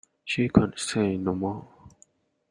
She could say no more.